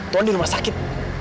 tuhan di rumah sakit